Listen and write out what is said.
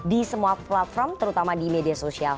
di semua platform terutama di media sosial